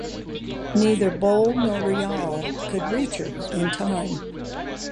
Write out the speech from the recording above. Neither Bol nor Rial could reach her in time.